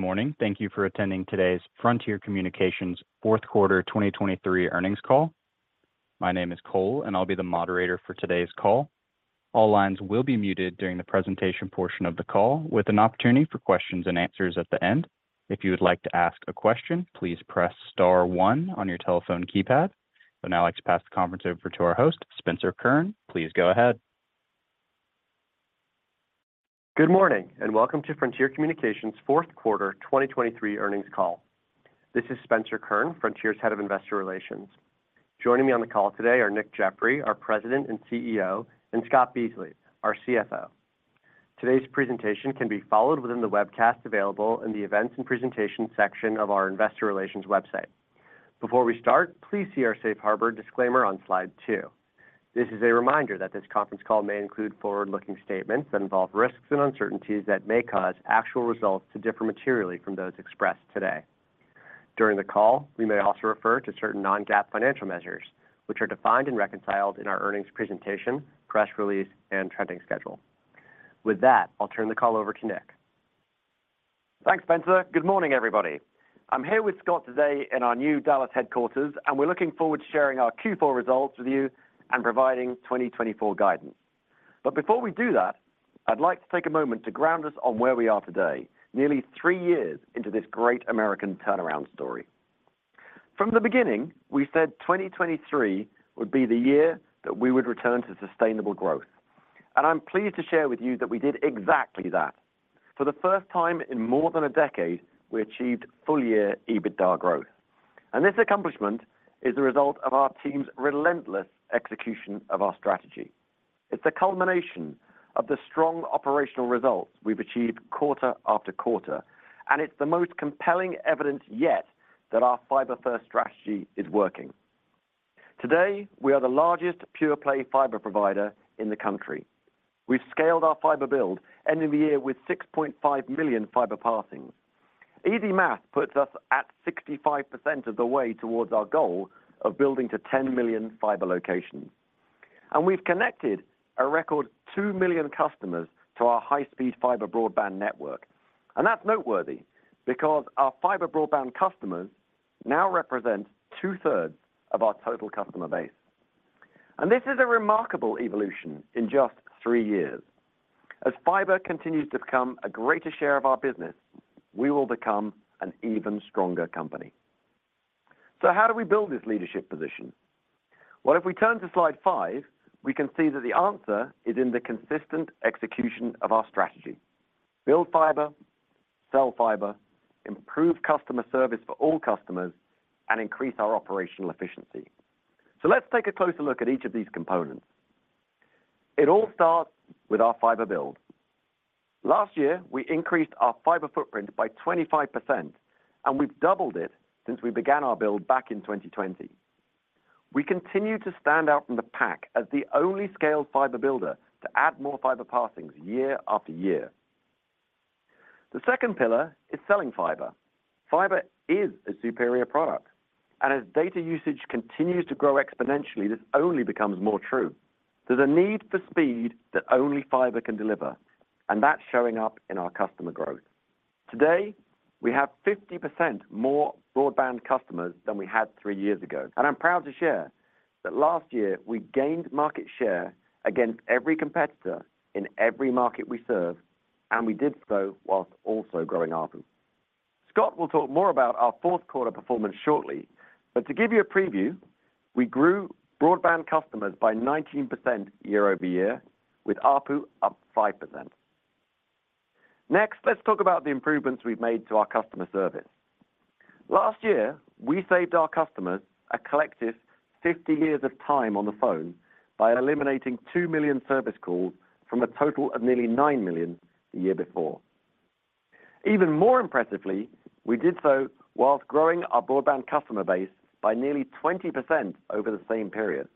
Good morning. Thank you for attending today's Frontier Communications' fourth quarter 2023 earnings call. My name is Cole, and I'll be the moderator for today's call. All lines will be muted during the presentation portion of the call, with an opportunity for questions and answers at the end. If you would like to ask a question, please press star one on your telephone keypad. So now I'd like to pass the conference over to our host, Spencer Kurn. Please go ahead. Good morning and welcome to Frontier Communications' fourth quarter 2023 earnings call. This is Spencer Kurn, Frontier's head of investor relations. Joining me on the call today are Nick Jeffery, our President and CEO, and Scott Beasley, our CFO. Today's presentation can be followed within the webcast available in the events and presentations section of our investor relations website. Before we start, please see our Safe Harbor disclaimer on slide two. This is a reminder that this conference call may include forward-looking statements that involve risks and uncertainties that may cause actual results to differ materially from those expressed today. During the call, we may also refer to certain non-GAAP financial measures, which are defined and reconciled in our earnings presentation, press release, and trending schedule. With that, I'll turn the call over to Nick. Thanks, Spencer. Good morning, everybody. I'm here with Scott today in our new Dallas headquarters, and we're looking forward to sharing our Q4 results with you and providing 2024 guidance. But before we do that, I'd like to take a moment to ground us on where we are today, nearly three years into this great American turnaround story. From the beginning, we said 2023 would be the year that we would return to sustainable growth. I'm pleased to share with you that we did exactly that. For the first time in more than a decade, we achieved full-year EBITDA growth. This accomplishment is the result of our team's relentless execution of our strategy. It's the culmination of the strong operational results we've achieved quarter after quarter, and it's the most compelling evidence yet that our fiber-first strategy is working. Today, we are the largest pure-play fiber provider in the country. We've scaled our fiber build ending the year with 6.5 million fiber passings. Easy math puts us at 65% of the way towards our goal of building to 10 million fiber locations. And we've connected a record 2 million customers to our high-speed fiber broadband network. And that's noteworthy because our fiber broadband customers now represent two-thirds of our total customer base. And this is a remarkable evolution in just three years. As fiber continues to become a greater share of our business, we will become an even stronger company. So how do we build this leadership position? Well, if we turn to slide five, we can see that the answer is in the consistent execution of our strategy: build fiber, sell fiber, improve customer service for all customers, and increase our operational efficiency. So let's take a closer look at each of these components. It all starts with our fiber build. Last year, we increased our fiber footprint by 25%, and we've doubled it since we began our build back in 2020. We continue to stand out from the pack as the only scaled fiber builder to add more fiber passings year after year. The second pillar is selling fiber. Fiber is a superior product. And as data usage continues to grow exponentially, this only becomes more true. There's a need for speed that only fiber can deliver, and that's showing up in our customer growth. Today, we have 50% more broadband customers than we had three years ago. And I'm proud to share that last year, we gained market share against every competitor in every market we serve, and we did so whilst also growing ARPU. Scott will talk more about our fourth quarter performance shortly, but to give you a preview, we grew broadband customers by 19% year-over-year, with ARPU up 5%. Next, let's talk about the improvements we've made to our customer service. Last year, we saved our customers a collective 50 years of time on the phone by eliminating 2 million service calls from a total of nearly 9 million the year before. Even more impressively, we did so while growing our broadband customer base by nearly 20% over the same period.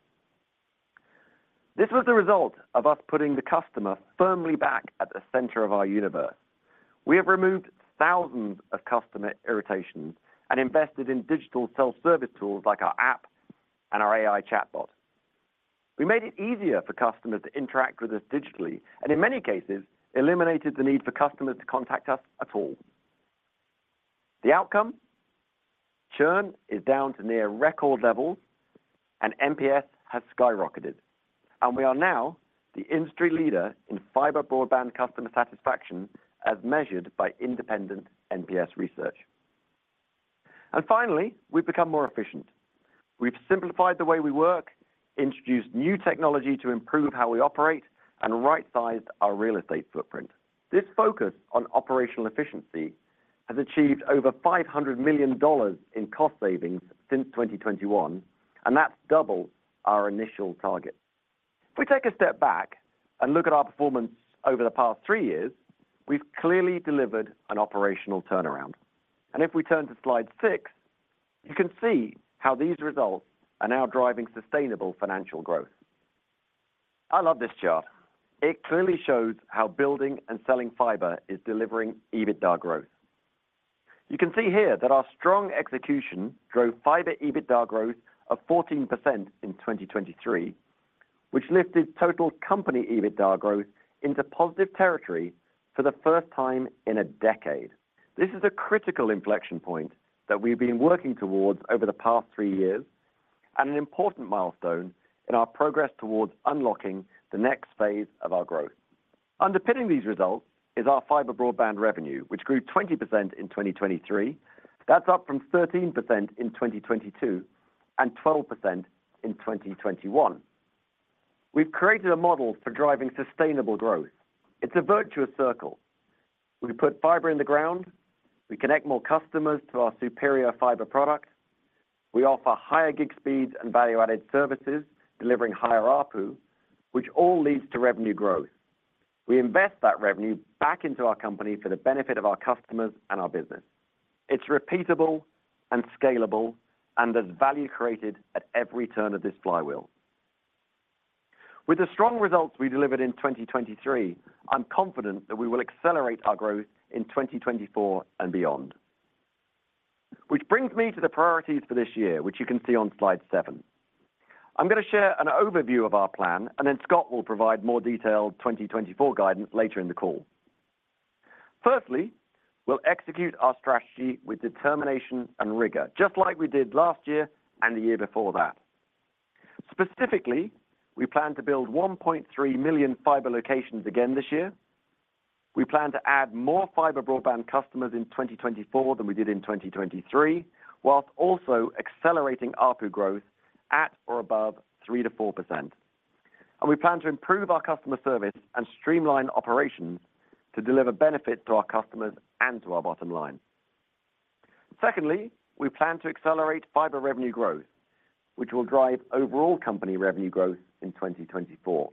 This was the result of us putting the customer firmly back at the center of our universe. We have removed thousands of customer irritations and invested in digital self-service tools like our app and our AI chatbot. We made it easier for customers to interact with us digitally and, in many cases, eliminated the need for customers to contact us at all. The outcome? Churn is down to near record levels, and NPS has skyrocketed. We are now the industry leader in fiber broadband customer satisfaction as measured by independent NPS research. Finally, we've become more efficient. We've simplified the way we work, introduced new technology to improve how we operate, and right-sized our real estate footprint. This focus on operational efficiency has achieved over $500 million in cost savings since 2021, and that's double our initial target. If we take a step back and look at our performance over the past three years, we've clearly delivered an operational turnaround. If we turn to slide six, you can see how these results are now driving sustainable financial growth. I love this chart. It clearly shows how building and selling fiber is delivering EBITDA growth. You can see here that our strong execution drove fiber EBITDA growth of 14% in 2023, which lifted total company EBITDA growth into positive territory for the first time in a decade. This is a critical inflection point that we've been working towards over the past three years and an important milestone in our progress towards unlocking the next phase of our growth. Underpinning these results is our fiber broadband revenue, which grew 20% in 2023. That's up from 13% in 2022 and 12% in 2021. We've created a model for driving sustainable growth. It's a virtuous circle. We put fiber in the ground. We connect more customers to our superior fiber product. We offer higher gig speeds and value-added services, delivering higher ARPU, which all leads to revenue growth. We invest that revenue back into our company for the benefit of our customers and our business. It's repeatable and scalable and has value created at every turn of this flywheel. With the strong results we delivered in 2023, I'm confident that we will accelerate our growth in 2024 and beyond. Which brings me to the priorities for this year, which you can see on slide seven. I'm going to share an overview of our plan, and then Scott will provide more detailed 2024 guidance later in the call. Firstly, we'll execute our strategy with determination and rigor, just like we did last year and the year before that. Specifically, we plan to build 1.3 million fiber locations again this year. We plan to add more fiber broadband customers in 2024 than we did in 2023, while also accelerating ARPU growth at or above 3%-4%. And we plan to improve our customer service and streamline operations to deliver benefits to our customers and to our bottom line. Secondly, we plan to accelerate fiber revenue growth, which will drive overall company revenue growth in 2024.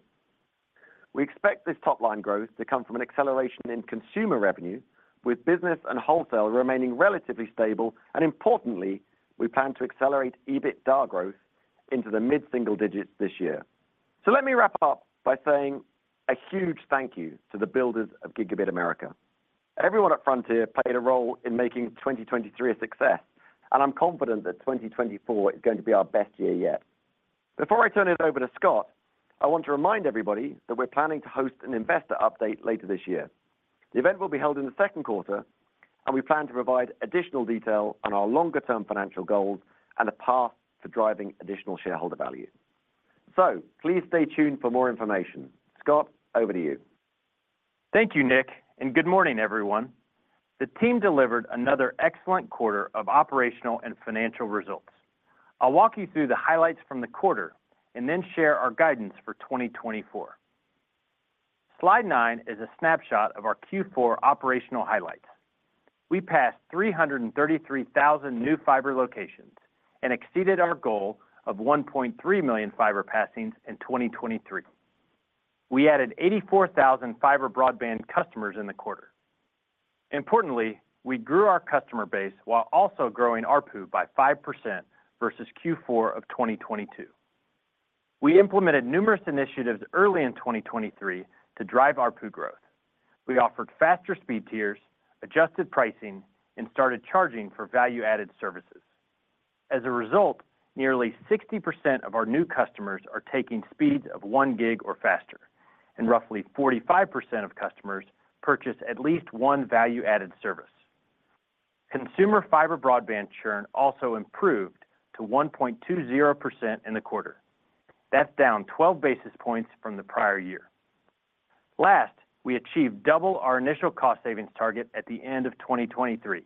We expect this top-line growth to come from an acceleration in consumer revenue, with business and wholesale remaining relatively stable. And importantly, we plan to accelerate EBITDA growth into the mid-single digits this year. So let me wrap up by saying a huge thank you to the builders of Gigabit America. Everyone at Frontier played a role in making 2023 a success, and I'm confident that 2024 is going to be our best year yet. Before I turn it over to Scott, I want to remind everybody that we're planning to host an investor update later this year. The event will be held in the second quarter, and we plan to provide additional detail on our longer-term financial goals and the path to driving additional shareholder value. So please stay tuned for more information. Scott, over to you. Thank you, Nick, and good morning, everyone. The team delivered another excellent quarter of operational and financial results. I'll walk you through the highlights from the quarter and then share our guidance for 2024. Slide nine is a snapshot of our Q4 operational highlights. We passed 333,000 new fiber locations and exceeded our goal of 1.3 million fiber passings in 2023. We added 84,000 fiber broadband customers in the quarter. Importantly, we grew our customer base while also growing ARPU by 5% versus Q4 of 2022. We implemented numerous initiatives early in 2023 to drive ARPU growth. We offered faster speed tiers, adjusted pricing, and started charging for value-added services. As a result, nearly 60% of our new customers are taking speeds of 1 gig or faster, and roughly 45% of customers purchase at least one value-added service. Consumer fiber broadband churn also improved to 1.20% in the quarter. That's down 12 basis points from the prior year. Last, we achieved double our initial cost savings target at the end of 2023,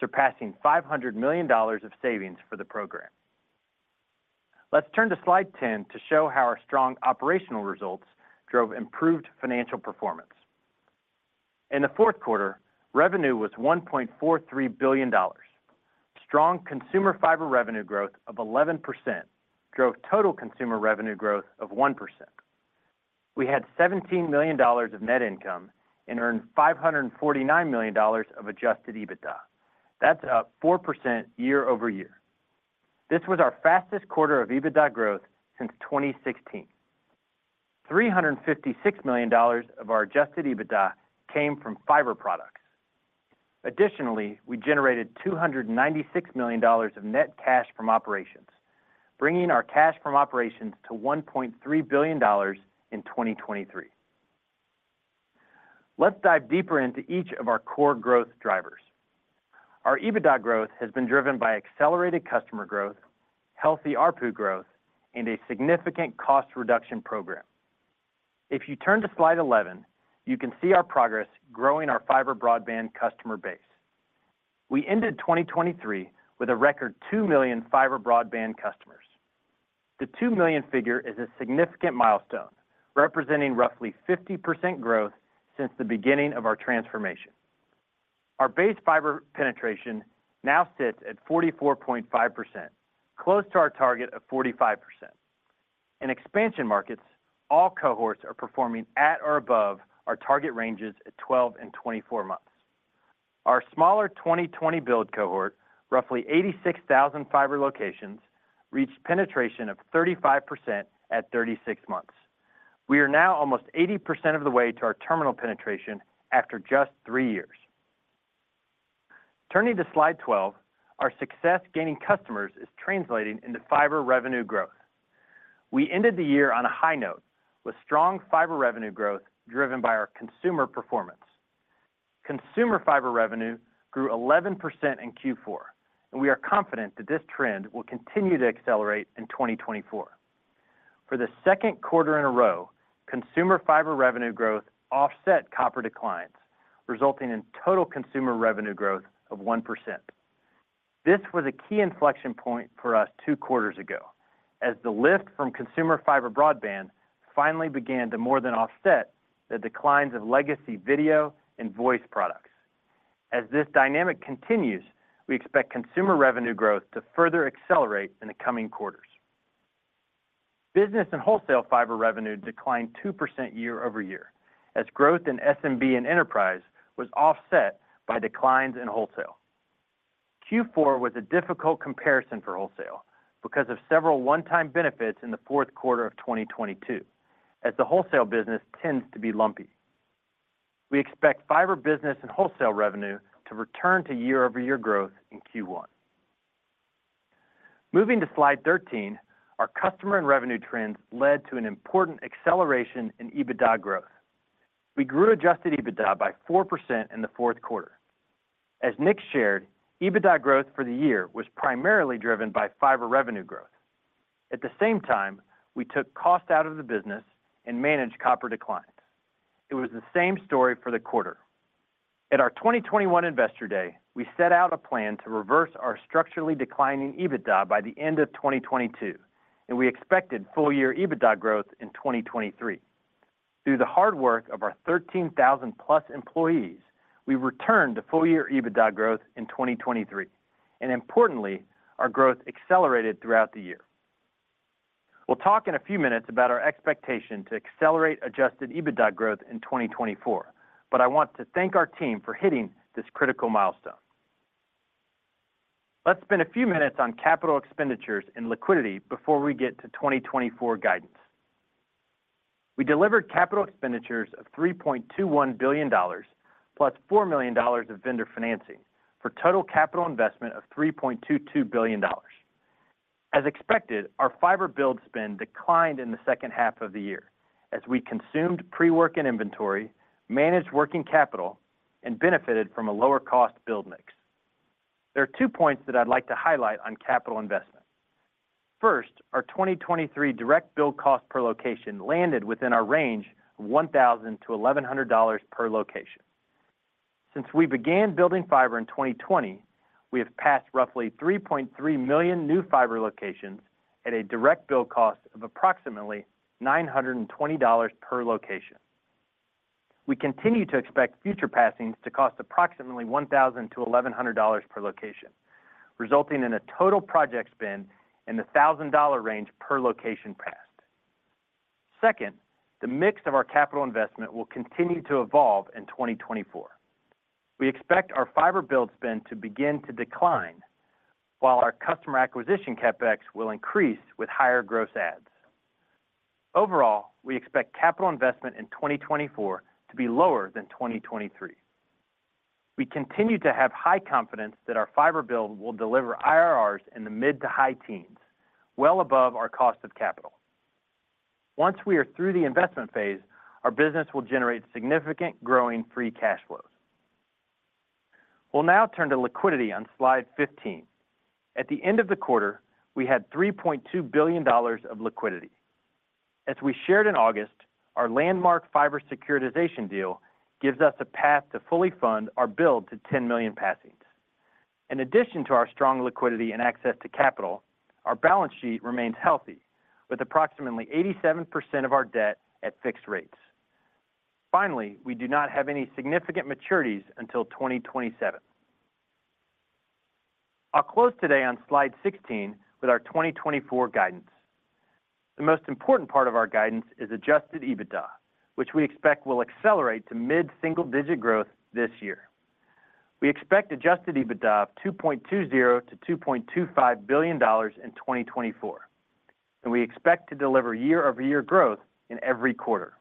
surpassing $500 million of savings for the program. Let's turn to slide 10 to show how our strong operational results drove improved financial performance. In the fourth quarter, revenue was $1.43 billion. Strong consumer fiber revenue growth of 11% drove total consumer revenue growth of 1%. We had $17 million of net income and earned $549 million of Adjusted EBITDA. That's up 4% year-over-year. This was our fastest quarter of EBITDA growth since 2016. $356 million of our Adjusted EBITDA came from fiber products. Additionally, we generated $296 million of net cash from operations, bringing our cash from operations to $1.3 billion in 2023. Let's dive deeper into each of our core growth drivers. Our EBITDA growth has been driven by accelerated customer growth, healthy ARPU growth, and a significant cost reduction program. If you turn to slide 11, you can see our progress growing our fiber broadband customer base. We ended 2023 with a record 2 million fiber broadband customers. The 2 million figure is a significant milestone, representing roughly 50% growth since the beginning of our transformation. Our base fiber penetration now sits at 44.5%, close to our target of 45%. In expansion markets, all cohorts are performing at or above our target ranges at 12 and 24 months. Our smaller 2020 build cohort, roughly 86,000 fiber locations, reached penetration of 35% at 36 months. We are now almost 80% of the way to our terminal penetration after just three years. Turning to slide 12, our success gaining customers is translating into fiber revenue growth. We ended the year on a high note with strong fiber revenue growth driven by our consumer performance. Consumer fiber revenue grew 11% in Q4, and we are confident that this trend will continue to accelerate in 2024. For the second quarter in a row, consumer fiber revenue growth offset copper declines, resulting in total consumer revenue growth of 1%. This was a key inflection point for us two quarters ago, as the lift from consumer fiber broadband finally began to more than offset the declines of legacy video and voice products. As this dynamic continues, we expect consumer revenue growth to further accelerate in the coming quarters. Business and wholesale fiber revenue declined 2% year-over-year, as growth in SMB and enterprise was offset by declines in wholesale. Q4 was a difficult comparison for wholesale because of several one-time benefits in the fourth quarter of 2022, as the wholesale business tends to be lumpy. We expect fiber business and wholesale revenue to return to year-over-year growth in Q1. Moving to Slide 13, our customer and revenue trends led to an important acceleration in EBITDA growth. We grew Adjusted EBITDA by 4% in the fourth quarter. As Nick shared, EBITDA growth for the year was primarily driven by fiber revenue growth. At the same time, we took cost out of the business and managed copper declines. It was the same story for the quarter. At our 2021 Investor Day, we set out a plan to reverse our structurally declining EBITDA by the end of 2022, and we expected full-year EBITDA growth in 2023. Through the hard work of our 13,000+ employees, we returned to full-year EBITDA growth in 2023, and importantly, our growth accelerated throughout the year. We'll talk in a few minutes about our expectation to accelerate Adjusted EBITDA growth in 2024, but I want to thank our team for hitting this critical milestone. Let's spend a few minutes on capital expenditures and liquidity before we get to 2024 guidance. We delivered capital expenditures of $3.21 billion + $4 million of vendor financing for total capital investment of $3.22 billion. As expected, our fiber build spend declined in the second half of the year as we consumed pre-work and inventory, managed working capital, and benefited from a lower-cost build mix. There are two points that I'd like to highlight on capital investment. First, our 2023 direct build cost per location landed within our range of $1,000-$1,100 per location. Since we began building fiber in 2020, we have passed roughly 3.3 million new fiber locations at a direct build cost of approximately $920 per location. We continue to expect future passings to cost approximately $1,000-$1,100 per location, resulting in a total project spend in the $1,000 range per location passed. Second, the mix of our capital investment will continue to evolve in 2024. We expect our fiber build spend to begin to decline, while our customer acquisition CapEx will increase with higher gross adds. Overall, we expect capital investment in 2024 to be lower than 2023. We continue to have high confidence that our fiber build will deliver IRRs in the mid to high teens, well above our cost of capital. Once we are through the investment phase, our business will generate significant growing free cash flows. We'll now turn to liquidity on slide 15. At the end of the quarter, we had $3.2 billion of liquidity. As we shared in August, our landmark fiber securitization deal gives us a path to fully fund our build to 10 million passings. In addition to our strong liquidity and access to capital, our balance sheet remains healthy, with approximately 87% of our debt at fixed rates. Finally, we do not have any significant maturities until 2027. I'll close today on slide 16 with our 2024 guidance. The most important part of our guidance is Adjusted EBITDA, which we expect will accelerate to mid-single digit growth this year. We expect Adjusted EBITDA of $2.20 billion-$2.25 billion in 2024, and we expect to deliver year-over-year growth in every quarter.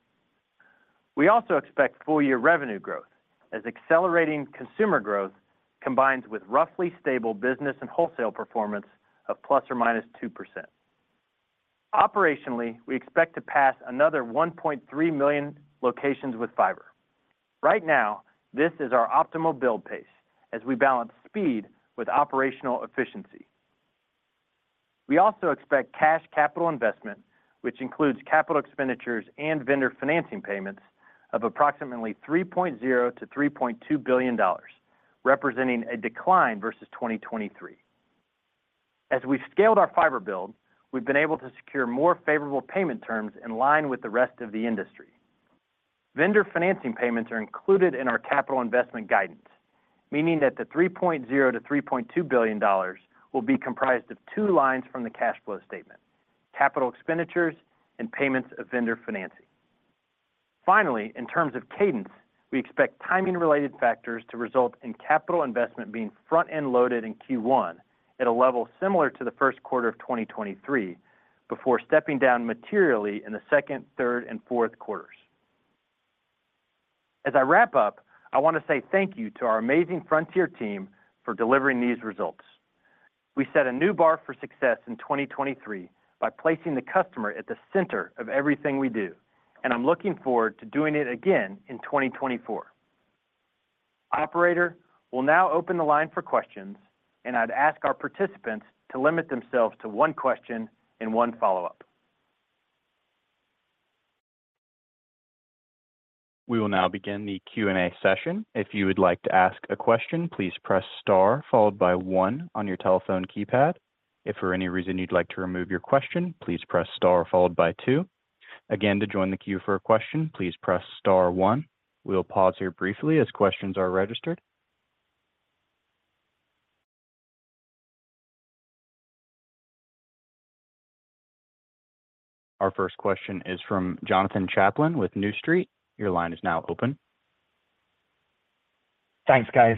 We also expect full-year revenue growth, as accelerating consumer growth combines with roughly stable business and wholesale performance of ±2%. Operationally, we expect to pass another 1.3 million locations with fiber. Right now, this is our optimal build pace as we balance speed with operational efficiency. We also expect cash capital investment, which includes capital expenditures and vendor financing payments, of approximately $3.0 billion-$3.2 billion, representing a decline versus 2023. As we've scaled our fiber build, we've been able to secure more favorable payment terms in line with the rest of the industry. Vendor financing payments are included in our capital investment guidance, meaning that the $3.0 billion-$3.2 billion will be comprised of two lines from the cash flow statement: capital expenditures and payments of vendor financing. Finally, in terms of cadence, we expect timing-related factors to result in capital investment being front-end loaded in Q1 at a level similar to the first quarter of 2023 before stepping down materially in the second, third, and fourth quarters. As I wrap up, I want to say thank you to our amazing Frontier team for delivering these results. We set a new bar for success in 2023 by placing the customer at the center of everything we do, and I'm looking forward to doing it again in 2024. Operator, we'll now open the line for questions, and I'd ask our participants to limit themselves to one question and one follow-up. We will now begin the Q&A session. If you would like to ask a question, please press star followed by one on your telephone keypad. If for any reason you'd like to remove your question, please press star followed by two. Again, to join the queue for a question, please press star one. We'll pause here briefly as questions are registered. Our first question is from Jonathan Chaplin with New Street. Your line is now open. Thanks, guys.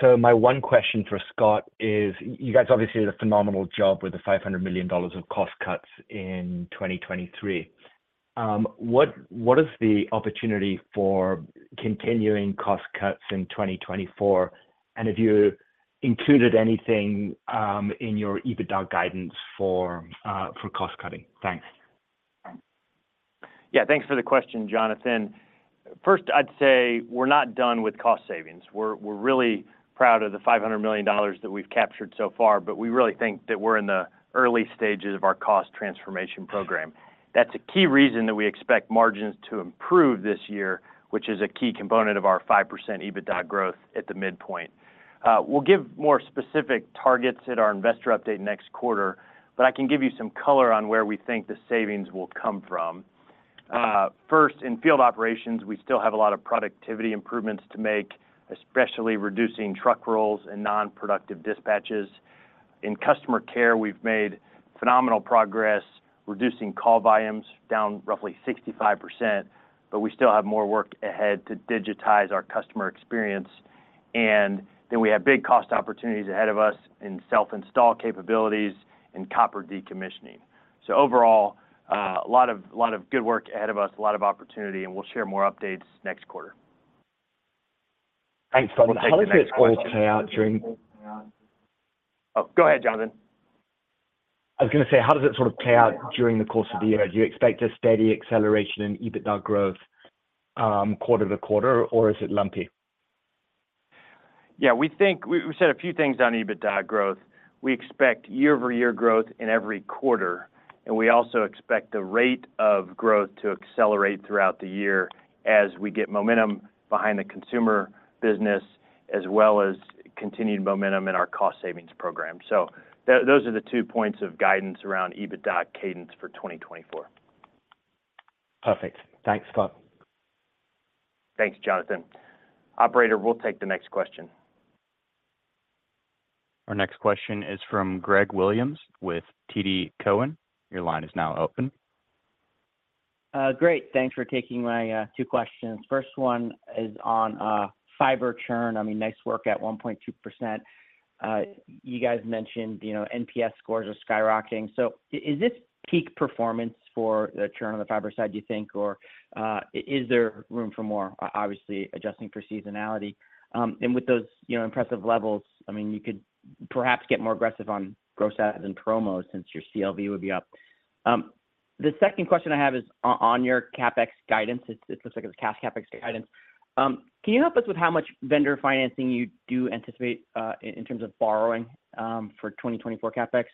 So my one question for Scott is, you guys obviously did a phenomenal job with the $500 million of cost cuts in 2023. What is the opportunity for continuing cost cuts in 2024, and have you included anything in your EBITDA guidance for cost cutting? Thanks. Yeah, thanks for the question, Jonathan. First, I'd say we're not done with cost savings. We're really proud of the $500 million that we've captured so far, but we really think that we're in the early stages of our cost transformation program. That's a key reason that we expect margins to improve this year, which is a key component of our 5% EBITDA growth at the midpoint. We'll give more specific targets at our investor update next quarter, but I can give you some color on where we think the savings will come from. First, in field operations, we still have a lot of productivity improvements to make, especially reducing truck rolls and nonproductive dispatches. In customer care, we've made phenomenal progress reducing call volumes down roughly 65%, but we still have more work ahead to digitize our customer experience. Then we have big cost opportunities ahead of us in self-install capabilities and copper decommissioning. Overall, a lot of good work ahead of us, a lot of opportunity, and we'll share more updates next quarter. Thanks, John. How does it all play out during? Oh, go ahead, Jonathan. I was going to say, how does it sort of play out during the course of the year? Do you expect a steady acceleration in EBITDA growth quarter to quarter, or is it lumpy? Yeah, we said a few things on EBITDA growth. We expect year-over-year growth in every quarter, and we also expect the rate of growth to accelerate throughout the year as we get momentum behind the consumer business as well as continued momentum in our cost savings program. So those are the two points of guidance around EBITDA cadence for 2024. Perfect. Thanks, Scott. Thanks, Jonathan. Operator, we'll take the next question. Our next question is from Greg Williams with TD Cowen. Your line is now open. Great. Thanks for taking my two questions. First one is on fiber churn. I mean, nice work at 1.2%. You guys mentioned NPS scores are skyrocketing. So is this peak performance for the churn on the fiber side, do you think, or is there room for more? Obviously, adjusting for seasonality. And with those impressive levels, I mean, you could perhaps get more aggressive on gross ads and promos since your CLV would be up. The second question I have is on your CapEx guidance. It looks like it's cash CapEx guidance. Can you help us with how much vendor financing you do anticipate in terms of borrowing for 2024 CapEx?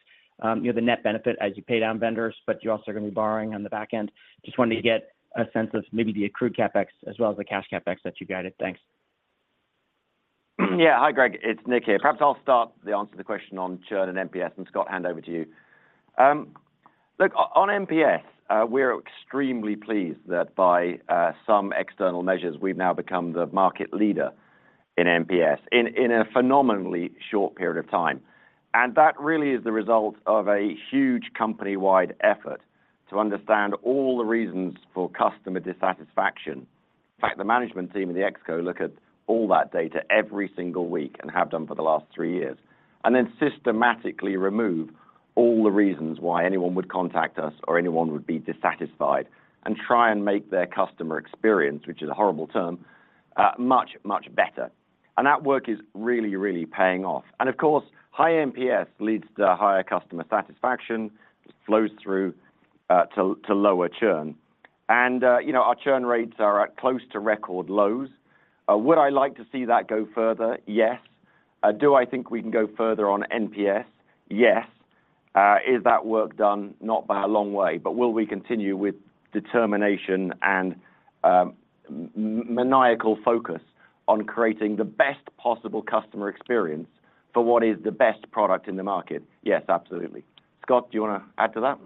You have the net benefit as you pay down vendors, but you're also going to be borrowing on the back end. Just wanted to get a sense of maybe the accrued CapEx as well as the cash CapEx that you guided. Thanks. Yeah. Hi, Greg. It's Nick here. Perhaps I'll start the answer to the question on churn and NPS, and Scott, hand over to you. Look, on NPS, we're extremely pleased that by some external measures, we've now become the market leader in NPS in a phenomenally short period of time. That really is the result of a huge company-wide effort to understand all the reasons for customer dissatisfaction. In fact, the management team in the ExCo look at all that data every single week and have done for the last three years, and then systematically remove all the reasons why anyone would contact us or anyone would be dissatisfied and try and make their customer experience, which is a horrible term, much, much better. That work is really, really paying off. Of course, high NPS leads to higher customer satisfaction, just flows through to lower churn. Our churn rates are at close to record lows. Would I like to see that go further? Yes. Do I think we can go further on NPS? Yes. Is that work done? Not by a long way. But will we continue with determination and maniacal focus on creating the best possible customer experience for what is the best product in the market? Yes, absolutely. Scott, do you want to add to that?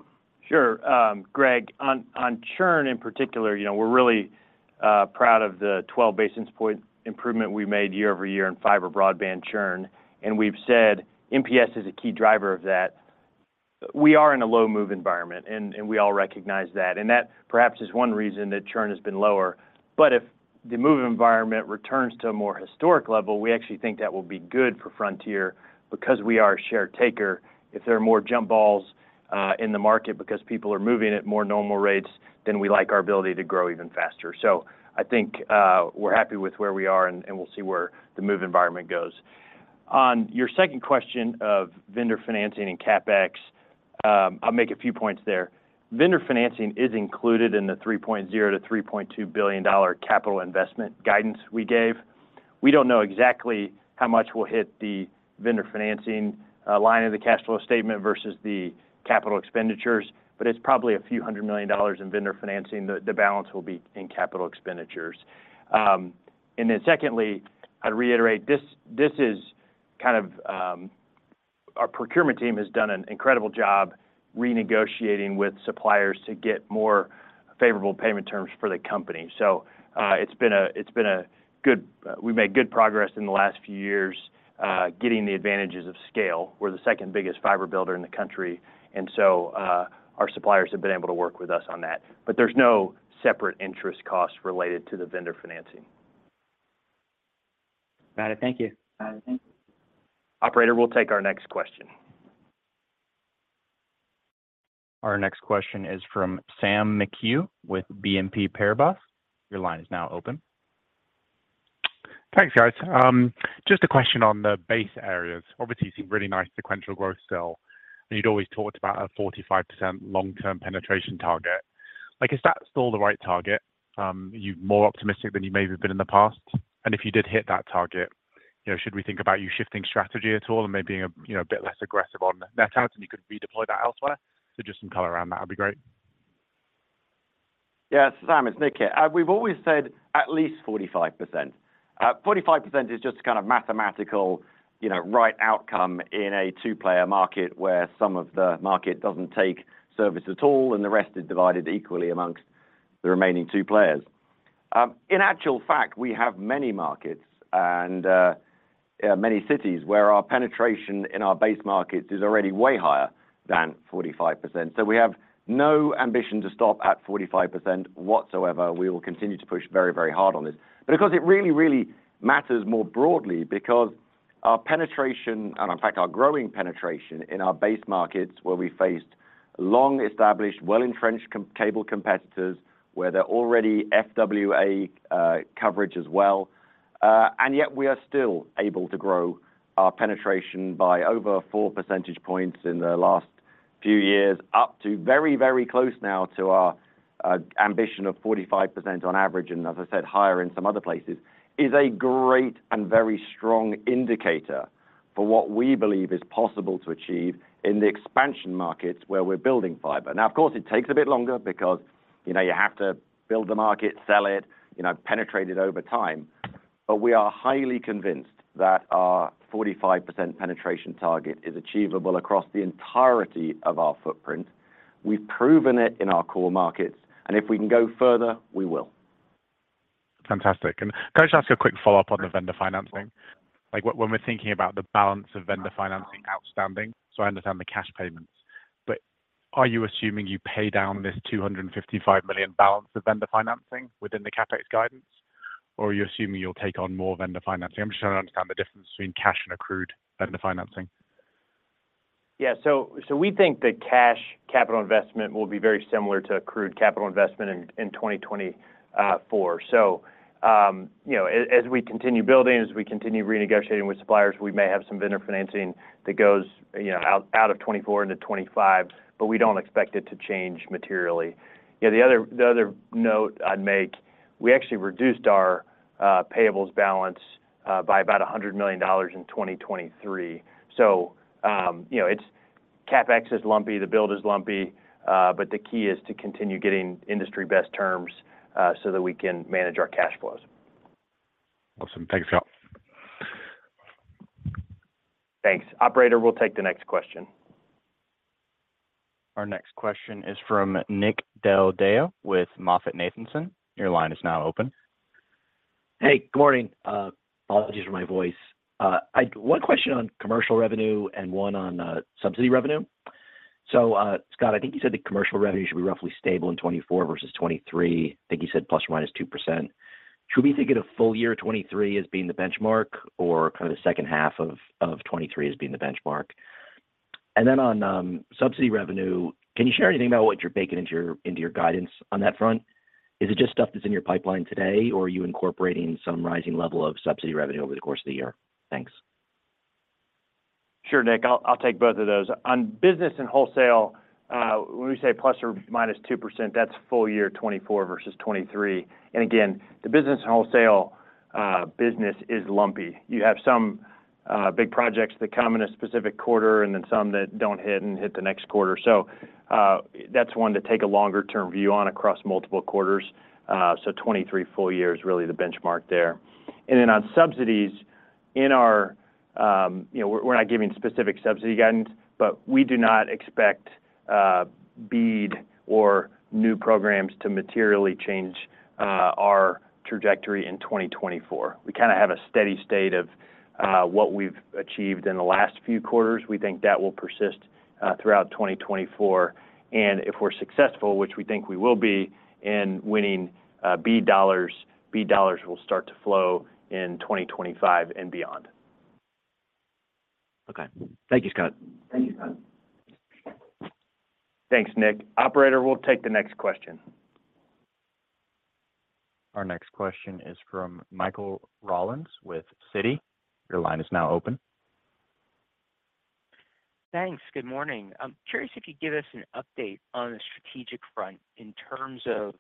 Sure. Greg, on churn in particular, we're really proud of the 12 basis point improvement we made year-over-year in fiber broadband churn. And we've said NPS is a key driver of that. We are in a low move environment, and we all recognize that. And that perhaps is one reason that churn has been lower. But if the move environment returns to a more historic level, we actually think that will be good for Frontier because we are a share taker. If there are more jump balls in the market because people are moving at more normal rates, then we like our ability to grow even faster. So I think we're happy with where we are, and we'll see where the move environment goes. On your second question of vendor financing and CapEx, I'll make a few points there. Vendor financing is included in the $3.0 billion-$3.2 billion capital investment guidance we gave. We don't know exactly how much will hit the vendor financing line of the cash flow statement versus the capital expenditures, but it's probably $a few hundred million in vendor financing. The balance will be in capital expenditures. And then secondly, I'd reiterate, this is kind of our procurement team has done an incredible job renegotiating with suppliers to get more favorable payment terms for the company. So it's been a good we've made good progress in the last few years getting the advantages of scale. We're the second biggest fiber builder in the country, and so our suppliers have been able to work with us on that. But there's no separate interest costs related to the vendor financing. Got it. Thank you. Operator, we'll take our next question. Our next question is from Sam McHugh with BNP Paribas. Your line is now open. Thanks, guys. Just a question on the base areas. Obviously, you've seen really nice sequential growth in sales, and you'd always talked about a 45% long-term penetration target. Is that still the right target? Are you more optimistic than you may have been in the past? And if you did hit that target, should we think about you shifting strategy at all and maybe being a bit less aggressive on net adds, and you could redeploy that elsewhere? So just some color around that would be great. Yeah, Sam. It's Nick here. We've always said at least 45%. 45% is just a kind of mathematical right outcome in a two-player market where some of the market doesn't take service at all, and the rest is divided equally amongst the remaining two players. In actual fact, we have many markets and many cities where our penetration in our base markets is already way higher than 45%. So we have no ambition to stop at 45% whatsoever. We will continue to push very, very hard on this. But of course, it really, really matters more broadly because our penetration, and in fact, our growing penetration in our base markets where we faced long-established, well-entrenched cable competitors, where they're already FWA coverage as well, and yet we are still able to grow our penetration by over 4 percentage points in the last few years, up to very, very close now to our ambition of 45% on average, and as I said, higher in some other places, is a great and very strong indicator for what we believe is possible to achieve in the expansion markets where we're building fiber. Now, of course, it takes a bit longer because you have to build the market, sell it, penetrate it over time. But we are highly convinced that our 45% penetration target is achievable across the entirety of our footprint. We've proven it in our core markets, and if we can go further, we will. Fantastic. And can I just ask a quick follow-up on the vendor financing? When we're thinking about the balance of vendor financing outstanding, so I understand the cash payments, but are you assuming you pay down this $255 million balance of vendor financing within the CapEx guidance, or are you assuming you'll take on more vendor financing? I'm just trying to understand the difference between cash and accrued vendor financing. Yeah. So we think that cash capital investment will be very similar to accrued capital investment in 2024. So as we continue building, as we continue renegotiating with suppliers, we may have some vendor financing that goes out of 2024 into 2025, but we don't expect it to change materially. The other note I'd make, we actually reduced our payables balance by about $100 million in 2023. So CapEx is lumpy, the build is lumpy, but the key is to continue getting industry-best terms so that we can manage our cash flows. Awesome. Thanks, Scott. Thanks. Operator, we'll take the next question. Our next question is from Nick Del Deo with MoffettNathanson. Your line is now open. Hey, good morning. Apologies for my voice. One question on commercial revenue and one on subsidy revenue. So Scott, I think you said the commercial revenue should be roughly stable in 2024 versus 2023. I think you said ±2%. Should we think of a full year 2023 as being the benchmark, or kind of the second half of 2023 as being the benchmark? And then on subsidy revenue, can you share anything about what you're baking into your guidance on that front? Is it just stuff that's in your pipeline today, or are you incorporating some rising level of subsidy revenue over the course of the year? Thanks. Sure, Nick. I'll take both of those. On business and wholesale, when we say ±2%, that's full year 2024 versus 2023. And again, the business and wholesale business is lumpy. You have some big projects that come in a specific quarter and then some that don't hit and hit the next quarter. So that's one to take a longer-term view on across multiple quarters. So 2023 full year is really the benchmark there. And then on subsidies, we're not giving specific subsidy guidance, but we do not expect BEAD or new programs to materially change our trajectory in 2024. We kind of have a steady state of what we've achieved in the last few quarters. We think that will persist throughout 2024. And if we're successful, which we think we will be in winning BEAD dollars, BEAD dollars will start to flow in 2025 and beyond. Okay. Thank you, Scott. Thank you, Scott. Thanks, Nick. Operator, we'll take the next question. Our next question is from Michael Rollins with Citi. Your line is now open. Thanks. Good morning. I'm curious if you'd give us an update on the strategic front in terms of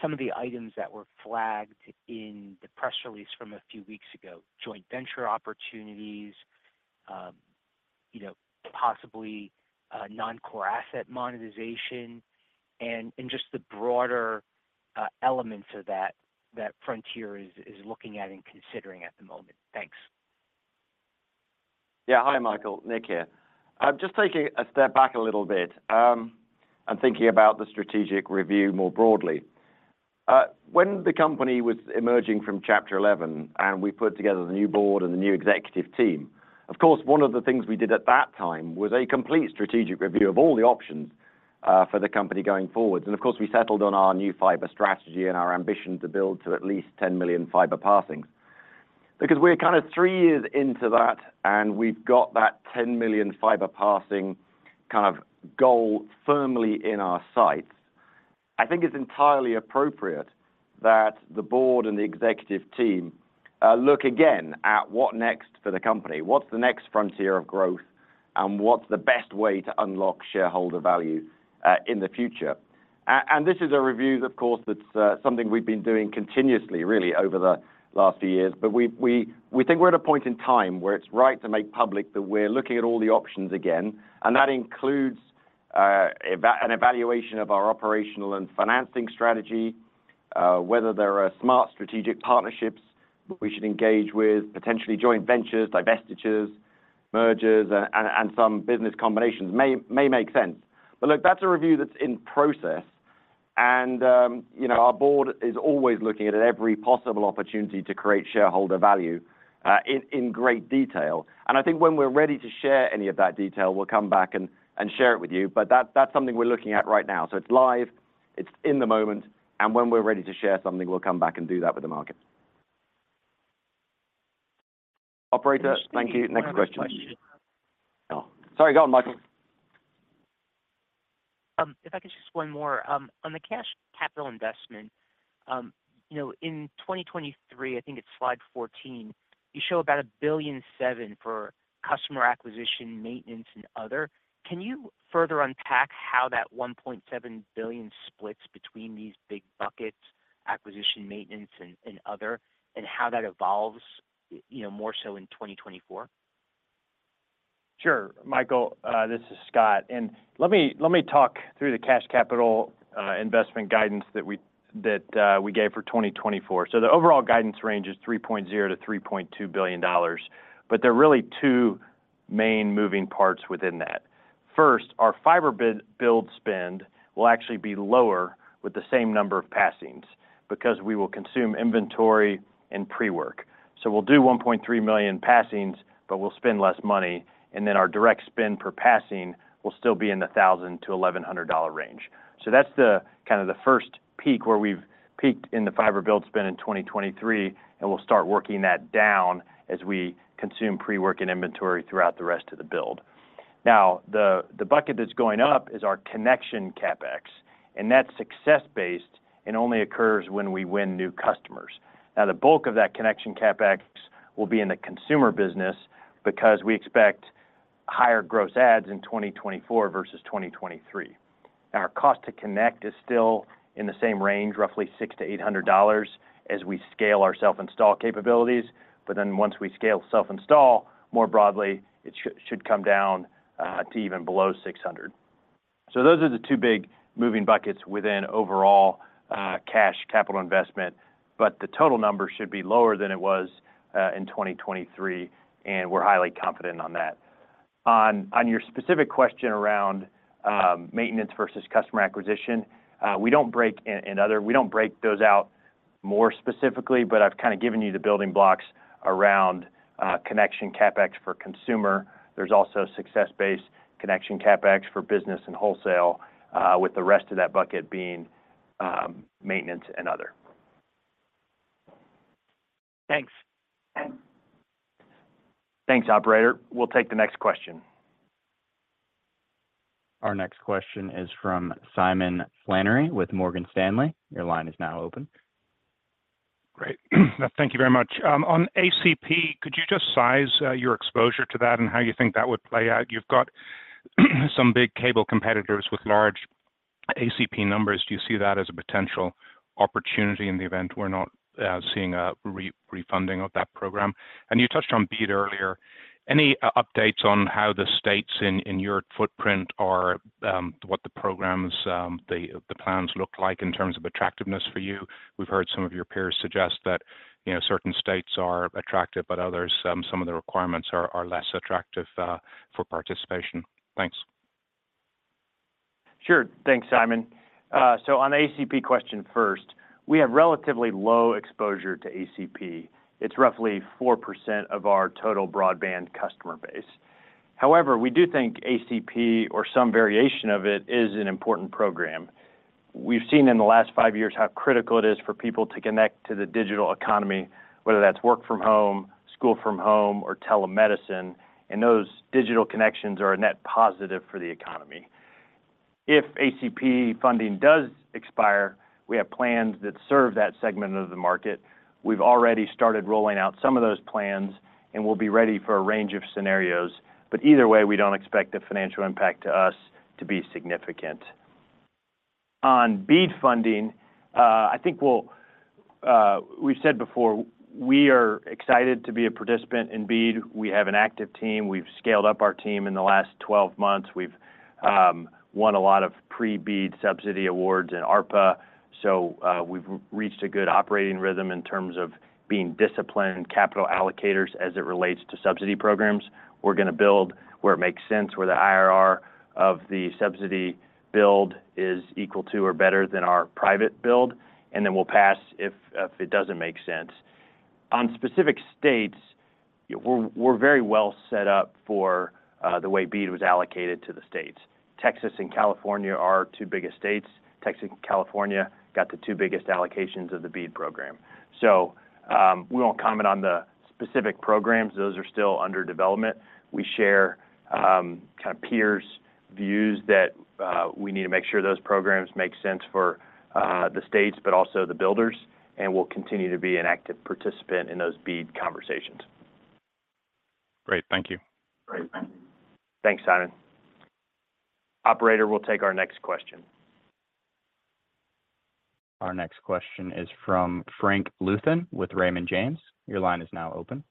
some of the items that were flagged in the press release from a few weeks ago: joint venture opportunities, possibly non-core asset monetization, and just the broader elements of that Frontier is looking at and considering at the moment. Thanks. Yeah. Hi, Michael. Nick here. Just taking a step back a little bit and thinking about the strategic review more broadly. When the company was emerging from Chapter 11 and we put together the new board and the new executive team, of course, one of the things we did at that time was a complete strategic review of all the options for the company going forward. And of course, we settled on our new fiber strategy and our ambition to build to at least 10 million fiber passings. Because we're kind of three years into that, and we've got that 10 million fiber passing kind of goal firmly in our sights, I think it's entirely appropriate that the board and the executive team look again at what next for the company. What's the next frontier of growth, and what's the best way to unlock shareholder value in the future? This is a review, of course, that's something we've been doing continuously, really, over the last few years. We think we're at a point in time where it's right to make public that we're looking at all the options again. That includes an evaluation of our operational and financing strategy, whether there are smart strategic partnerships we should engage with, potentially joint ventures, divestitures, mergers, and some business combinations may make sense. Look, that's a review that's in process. Our board is always looking at every possible opportunity to create shareholder value in great detail. I think when we're ready to share any of that detail, we'll come back and share it with you. That's something we're looking at right now. It's live. It's in the moment. When we're ready to share something, we'll come back and do that with the market. Operator, thank you. Next question. Oh. Sorry. Go on, Michael. If I could just explain more. On the cash capital investment, in 2023, I think it's slide 14, you show about $1.7 billion for customer acquisition, maintenance, and other. Can you further unpack how that $1.7 billion splits between these big buckets, acquisition, maintenance, and other, and how that evolves more so in 2024? Sure, Michael. This is Scott. Let me talk through the cash capital investment guidance that we gave for 2024. So the overall guidance range is $3.0 billion-$3.2 billion. But there are really two main moving parts within that. First, our fiber build spend will actually be lower with the same number of passings because we will consume inventory and pre-work. So we'll do 1.3 million passings, but we'll spend less money. And then our direct spend per passing will still be in the $1,000-$1,100 range. So that's kind of the first peak where we've peaked in the fiber build spend in 2023, and we'll start working that down as we consume pre-work and inventory throughout the rest of the build. Now, the bucket that's going up is our connection CapEx. And that's success-based and only occurs when we win new customers. Now, the bulk of that connection CapEx will be in the consumer business because we expect higher gross adds in 2024 versus 2023. Now, our cost to connect is still in the same range, roughly $600-$800, as we scale our self-install capabilities. But then once we scale self-install more broadly, it should come down to even below $600. So those are the two big moving buckets within overall cash capital investment. But the total number should be lower than it was in 2023, and we're highly confident on that. On your specific question around maintenance versus customer acquisition, we don't break those out more specifically, but I've kind of given you the building blocks around connection CapEx for consumer. There's also success-based connection CapEx for business and wholesale, with the rest of that bucket being maintenance and other. Thanks. Thanks, Operator. We'll take the next question. Our next question is from Simon Flannery with Morgan Stanley. Your line is now open. Great. Thank you very much. On ACP, could you just size your exposure to that and how you think that would play out? You've got some big cable competitors with large ACP numbers. Do you see that as a potential opportunity in the event we're not seeing a refunding of that program? And you touched on BEAD earlier. Any updates on how the states in your footprint are, what the programs, the plans look like in terms of attractiveness for you? We've heard some of your peers suggest that certain states are attractive, but some of the requirements are less attractive for participation. Thanks. Sure. Thanks, Simon. So on the ACP question first, we have relatively low exposure to ACP. It's roughly 4% of our total broadband customer base. However, we do think ACP, or some variation of it, is an important program. We've seen in the last five years how critical it is for people to connect to the digital economy, whether that's work from home, school from home, or telemedicine. And those digital connections are a net positive for the economy. If ACP funding does expire, we have plans that serve that segment of the market. We've already started rolling out some of those plans, and we'll be ready for a range of scenarios. But either way, we don't expect the financial impact to us to be significant. On BEAD funding, I think we've said before, we are excited to be a participant in BEAD. We have an active team. We've scaled up our team in the last 12 months. We've won a lot of pre-BEAD subsidy awards and ARPA. So we've reached a good operating rhythm in terms of being disciplined capital allocators as it relates to subsidy programs. We're going to build where it makes sense, where the IRR of the subsidy build is equal to or better than our private build. And then we'll pass if it doesn't make sense. On specific states, we're very well set up for the way BEAD was allocated to the states. Texas and California are two biggest states. Texas and California got the two biggest allocations of the BEAD program. So we won't comment on the specific programs. Those are still under development. We share kind of peers' views that we need to make sure those programs make sense for the states, but also the builders. We'll continue to be an active participant in those BEAD conversations. Great. Thank you. Great. Thank you. Thanks, Simon. Operator, we'll take our next question. Our next question is from Frank Louthan with Raymond James. Your line is now open.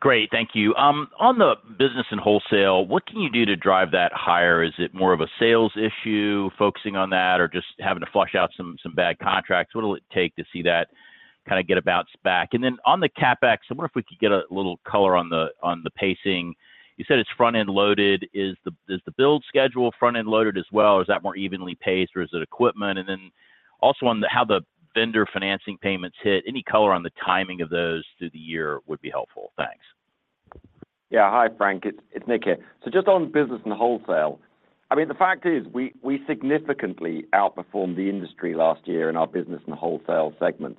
Great. Thank you. On the business and wholesale, what can you do to drive that higher? Is it more of a sales issue focusing on that, or just having to flush out some bad contracts? What will it take to see that kind of get a bounce back? And then on the CapEx, I wonder if we could get a little color on the pacing. You said it's front-end loaded. Is the build schedule front-end loaded as well, or is that more evenly paced, or is it equipment? And then also on how the vendor financing payments hit, any color on the timing of those through the year would be helpful. Thanks. Yeah. Hi, Frank. It's Nick here. So just on business and wholesale, I mean, the fact is we significantly outperformed the industry last year in our business and wholesale segment.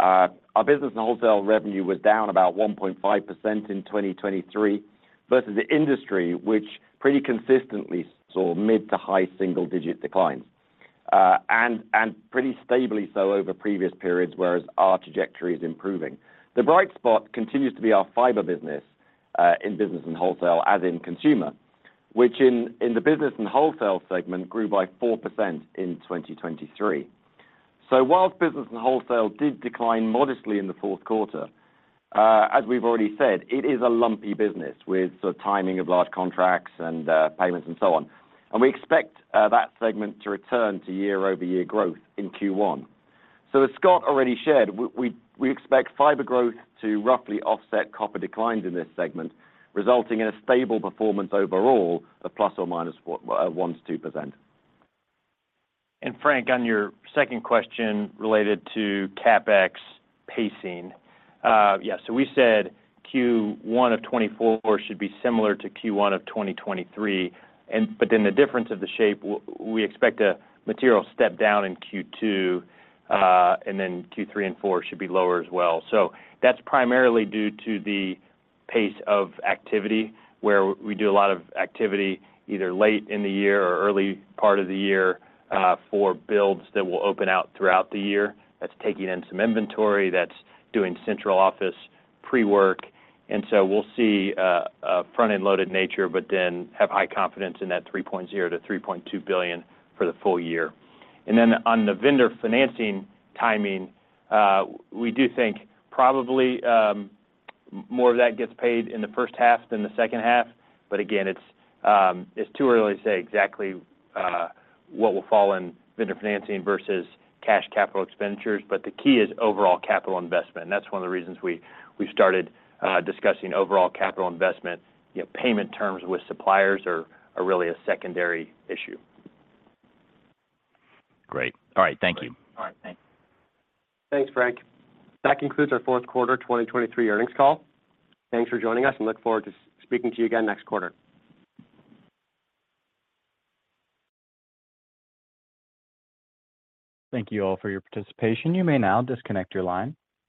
Our business and wholesale revenue was down about 1.5% in 2023 versus the industry, which pretty consistently saw mid- to high-single-digit declines. And pretty stably so over previous periods, whereas our trajectory is improving. The bright spot continues to be our fiber business in business and wholesale, as in consumer, which in the business and wholesale segment grew by 4% in 2023. So while business and wholesale did decline modestly in the fourth quarter, as we've already said, it is a lumpy business with sort of timing of large contracts and payments and so on. And we expect that segment to return to year-over-year growth in Q1. As Scott already shared, we expect fiber growth to roughly offset copper declines in this segment, resulting in a stable performance overall of ±1%-2%. Frank, on your second question related to CapEx pacing, yeah, so we said Q1 of 2024 should be similar to Q1 of 2023. Then the difference of the shape, we expect a material step down in Q2, and then Q3 and Q4 should be lower as well. That's primarily due to the pace of activity, where we do a lot of activity either late in the year or early part of the year for builds that will open out throughout the year. That's taking in some inventory. That's doing central office pre-work. We'll see a front-end loaded nature, but then have high confidence in that $3.0 billion-$3.2 billion for the full year. Then on the vendor financing timing, we do think probably more of that gets paid in the first half than the second half. But again, it's too early to say exactly what will fall in vendor financing versus cash capital expenditures. But the key is overall capital investment. And that's one of the reasons we've started discussing overall capital investment. Payment terms with suppliers are really a secondary issue. Great. All right. Thank you. All right. Thanks. Thanks, Frank. That concludes our fourth quarter 2023 earnings call. Thanks for joining us, and look forward to speaking to you again next quarter. Thank you all for your participation. You may now disconnect your line.